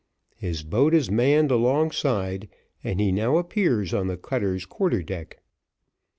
His boat is manned alongside, and he now appears on the cutter's quarter deck.